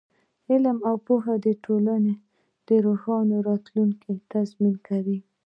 علم او پوهه د ټولنې د روښانه راتلونکي تضمین کوي.